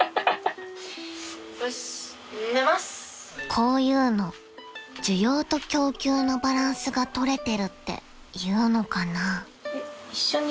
［こういうの需要と供給のバランスがとれてるっていうのかな］